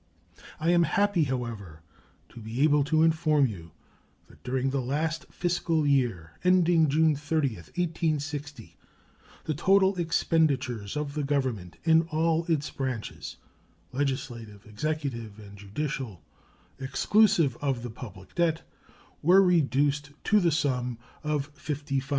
I am happy, however, to be able to inform you that during the last fiscal year, ending June 30, 1860, the total expenditures of the Government in all its branches legislative, executive, and judicial exclusive of the public debt, were reduced to the sum of $55,402,465.